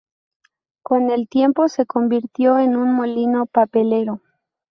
Con el tiempo se convirtió en un molino papelero.